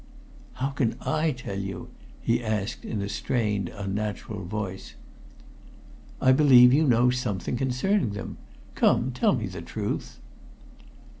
"How can I tell you?" he asked in a strained, unnatural voice. "I believe you know something concerning them. Come, tell me the truth."